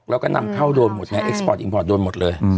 แล้วก็นำเข้าโดนหมดไงเอ็กสปอร์ตอิงพอร์ตโดนหมดเลย